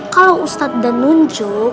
kalau ustadz udah nunjuk